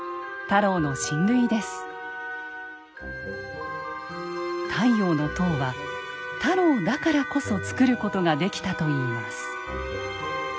「太陽の塔」は太郎だからこそつくることができたといいます。